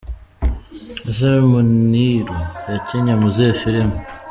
Ese muniru yakinnye mu zihe filime?.